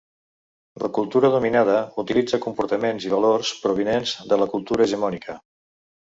La cultura dominada utilitza comportaments i valors provinents de la cultura hegemònica.